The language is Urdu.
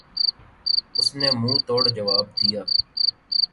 اس نے منہ توڑ جواب دیا۔